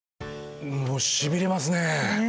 もう、しびれますね。